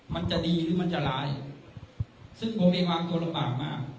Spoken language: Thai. มันจะดีหรือมันจะร้ายซึ่งผมมีความตัวลำบากมาก